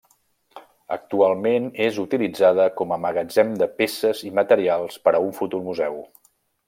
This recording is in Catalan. Actualment és utilitzada com a magatzem de peces i material per a un futur museu.